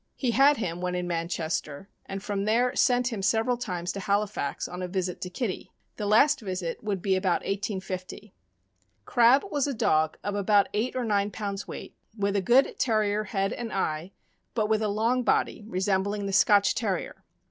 He had him when in Manchester, and from there sent him several times to Halifax on a visit to Kitty. The last visit would be about 1850. Crab was a dog of about eight or nine pounds weight, with a good Terrier head and eye, but with a long body, resembling the Scotch Terrier.